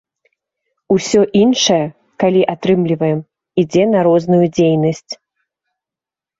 Усё іншае, калі атрымліваем, ідзе на розную дзейнасць.